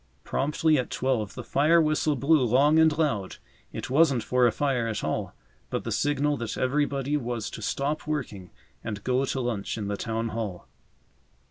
Promptly at twelve the fire whistle blew long and loud. It wasn't for a fire at all, but the signal that everybody was to stop working and go to lunch in the Town Hall.